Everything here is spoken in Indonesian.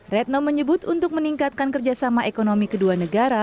red no menyebut untuk meningkatkan kerjasama ekonomi kedua negara